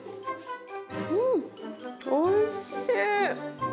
うん、おいしい。